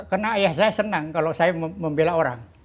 karena ayah saya senang kalau saya membela orang